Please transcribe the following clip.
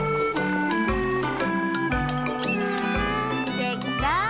できた！